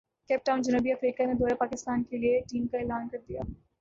cap Town جنوبی افریقہ نے دورہ بھارت کیلئے ٹیم کا اعلان کردیا